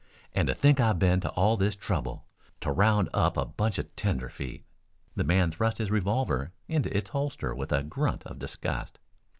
"And to think I've been to all this trouble to round up a bunch of tenderfeet." The man thrust his revolver into its holster with a grunt of disgust.